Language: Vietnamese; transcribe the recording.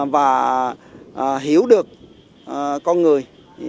và hiểu được con người